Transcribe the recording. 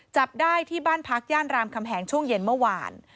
จับได้ที่บ้านพักย่านรามคำแหงช่วงเย็นเมื่อวาน